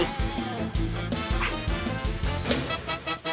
ไป